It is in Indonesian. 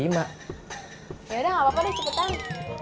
yaudah gapapa deh cepetan